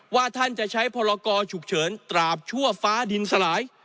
ว่าท่านจะใช้พรกรฉุกเฉินตราบชั่วฟ้าดินสลาย